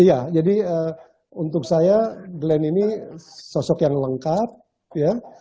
iya jadi untuk saya glenn ini sosok yang lengkap ya